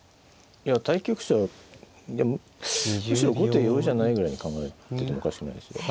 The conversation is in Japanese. いや対局者はむしろ後手容易じゃないぐらいに考えてるのかもしれないですよ。